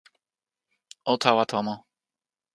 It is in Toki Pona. o tawa tomo.